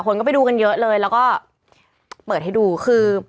คนก็ไปดูกันเยอะเลยแล้วก็เปิดให้ดูคือ